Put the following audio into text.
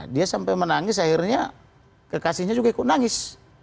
dia sampai menangis akhirnya kekasihnya juga ikut nangis